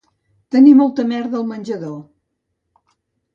Tenir molta merda al menjador